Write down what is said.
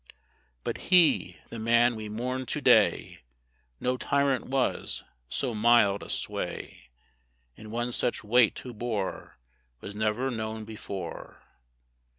But he, the man we mourn to day, No tyrant was: so mild a sway In one such weight who bore Was never known before.